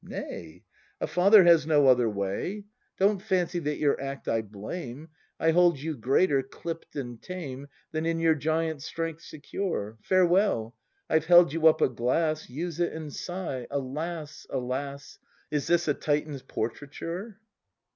Nay, A father has no other way; ACT III] BRAND 143 Don't fancy that your act I blame; I hold you greater, dipt and tame, Than in your giant strength secure. — Farewell! I've held you up a glass; Use it and sigh: "Alas, alas. Is this a Titan's portraiture?"